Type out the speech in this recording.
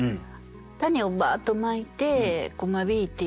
種をバーッとまいて間引いていく。